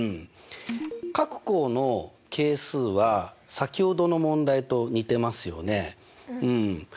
各項の係数は先ほどの問題と似てますよね。